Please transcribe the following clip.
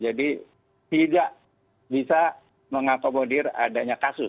jadi tidak bisa mengapomodir adanya kasus